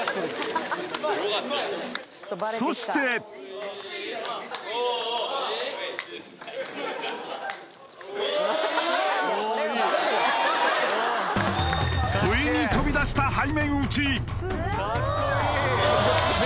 そして不意に飛び出した背面打ち